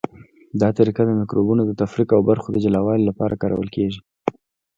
دا طریقه د مکروبونو د تفریق او برخو د جلاوالي لپاره کارول کیږي.